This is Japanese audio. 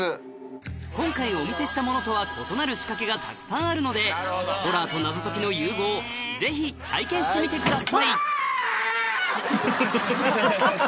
今回お見せしたものとは異なる仕掛けがたくさんあるのでホラーと謎解きの融合ぜひ体験してみてくださいうわ！